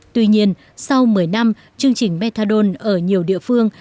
tuy nhiên sau một mươi năm chương trình methadone ở nhiều địa phương